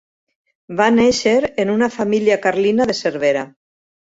Va néixer en una família carlina de Cervera.